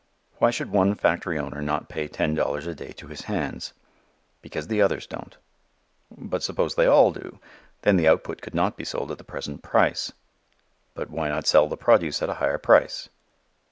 Why should one factory owner not pay ten dollars a day to his hands? Because the others don't. But suppose they all do? Then the output could not be sold at the present price. But why not sell the produce at a higher price?